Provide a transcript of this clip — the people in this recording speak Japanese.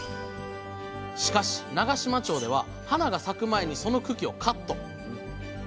しかし長島町では花が咲く前にその茎をカット。